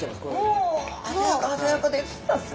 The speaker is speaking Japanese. お鮮やかです！